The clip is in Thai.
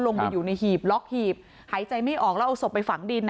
ลงไปอยู่ในหีบล็อกหีบหายใจไม่ออกแล้วเอาศพไปฝังดิน